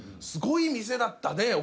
すごい店だったね